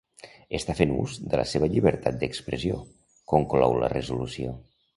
Està fent ús de la seva llibertat d’expressió, conclou la resolució.